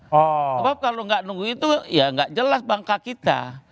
karena kalau gak nunggu itu ya gak jelas bangka kita